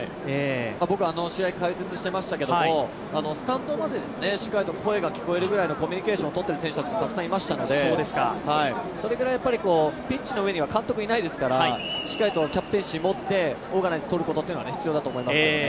僕、あの試合解説してましたけど、スタンドまでしっかりと声が聞こえるぐらいのコミュニケーションをとっている選手もいましたのでそれぐらいピッチの上には監督がいないですからしっかりとキャプテンシー持ってオーガナイズとることは必要だと思います。